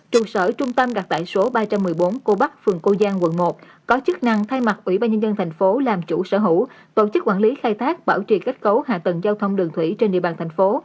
trụ sở trung tâm đặt tại số ba trăm một mươi bốn cô bắc phường cô giang quận một có chức năng thay mặt ủy ban nhân dân thành phố làm chủ sở hữu tổ chức quản lý khai thác bảo trì kết cấu hạ tầng giao thông đường thủy trên địa bàn thành phố